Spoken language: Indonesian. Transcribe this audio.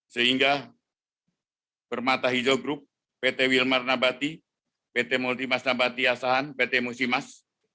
sehingga permata hijau group pt wilmar nabati pt multimas nabati asahan pt musimas